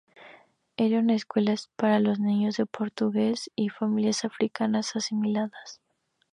Esta era una escuela para los niños de portugueses y familias africanas asimiladas.